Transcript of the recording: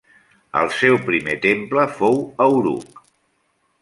El seu primer temple fou a Uruk.